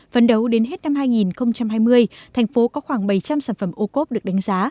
phân đấu đến hết năm hai nghìn hai mươi thành phố có khoảng bảy trăm linh sản phẩm ocob được đánh giá